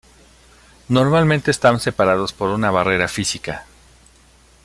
Normalmente están separados por una barrera física.